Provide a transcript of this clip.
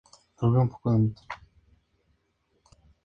Cada uno necesita de los demás para realizarse como persona.